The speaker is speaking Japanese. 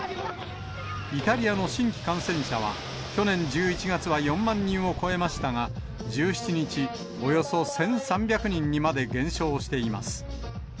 イタリアの新規感染者は、去年１１月は４万人を超えましたが、１７日、およそ１３００人にまで減少しています。